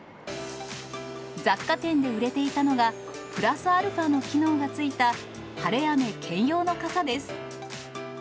雑貨店で売れていたのが、プラスアルファの機能がついた、晴れ雨兼用の傘です。